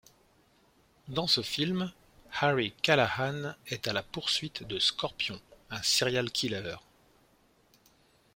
Dans ce film, Harry Callahan est à la poursuite de Scorpion, un serial killer.